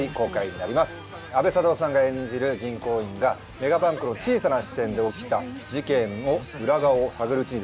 阿部サダヲさんが演じる銀行員がメガバンクの小さな支店で起きた事件の裏側を探るうちにですね